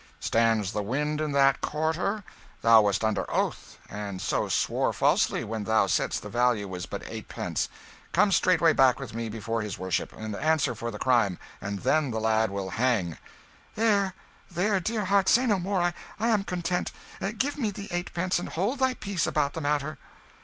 "Stands the wind in that quarter? Thou wast under oath, and so swore falsely when thou saidst the value was but eightpence. Come straightway back with me before his worship, and answer for the crime! and then the lad will hang." "There, there, dear heart, say no more, I am content. Give me the eightpence, and hold thy peace about the matter."